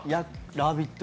「ラヴィット！」